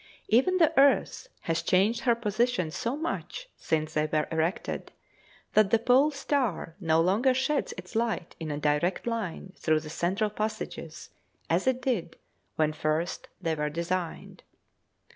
Even the earth has changed her position so much since they were erected that the pole star no longer sheds its light in a direct line through the central passages, as it did when first they were designed.